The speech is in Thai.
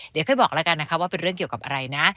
เดี๋ยวค่อยบอกแล้วกันนะคะว่าเป็นเรื่องเกี่ยวกับอะไรนะ